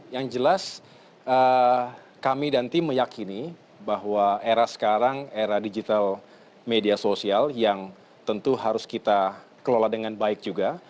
yang jelas kami dan tim meyakini bahwa era sekarang era digital media sosial yang tentu harus kita kelola dengan baik juga